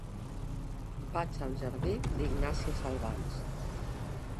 Vaig al jardí d'Ignàsia Salvans.